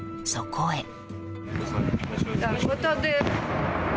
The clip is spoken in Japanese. そこへ。